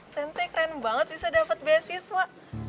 sensei keren banget bisa dapet beasiswa